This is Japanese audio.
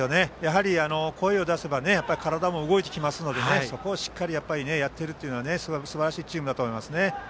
声を出せば体も動いてきますのでそこをやっているというのはすばらしいチームだと思いますね。